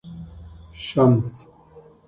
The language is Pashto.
شمس